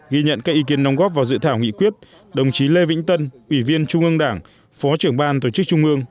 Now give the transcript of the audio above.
ghi nhận các ý kiến đóng góp vào dự thảo nghị quyết đồng chí lê vĩnh tân ủy viên trung ương đảng phó trưởng ban tổ chức trung ương